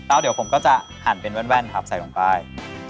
แล้วเดี๋ยวผมก็จะหั่นเป็นแว่นครับใส่ลงป้าย